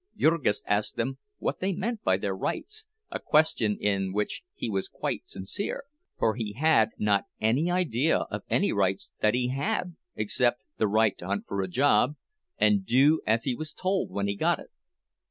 Jurgis asked them what they meant by their rights, a question in which he was quite sincere, for he had not any idea of any rights that he had, except the right to hunt for a job, and do as he was told when he got it.